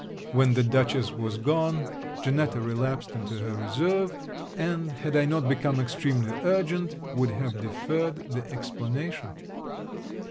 When the Dutchess was gone, Janetta relapsed into her reserve; and, had I not become extremely urgent, would have deferred the explanation.